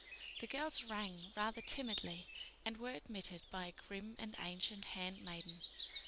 The girls rang rather timidly, and were admitted by a grim and ancient handmaiden.